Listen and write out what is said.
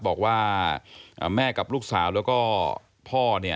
บอกว่าแม่กับลูกสาวและก็พ่อ